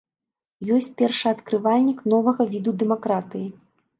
Ёсць першаадкрывальнік новага віду дэмакратыі.